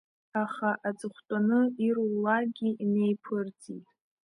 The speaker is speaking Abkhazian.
Аха аҵыхәтәаны ирулакгьы инеиԥырҵит.